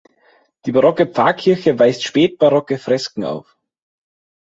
Die barocke Pfarrkirche weist spätbarocke Fresken auf.